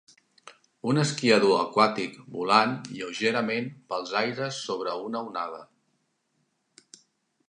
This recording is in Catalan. un esquiador aquàtic volant lleugerament pels aires sobre una onada